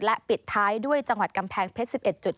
และปิดท้ายด้วยจังหวัดกำแพงเพชร๑๑จุด